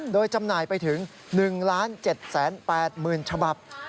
โดยจำหน่ายไปถึง๑๗๘๐๐๐ฉบับ